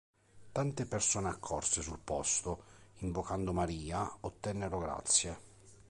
Tante persone accorse sul posto, invocando Maria, ottennero grazie.